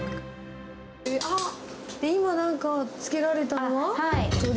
今なんかつけられたのは？